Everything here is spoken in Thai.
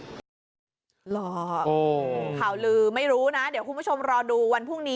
หรอข่าวลือไม่รู้นะเดี๋ยวคุณผู้ชมรอดูวันพรุ่งนี้